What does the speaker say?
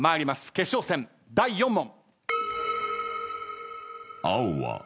決勝戦第４問。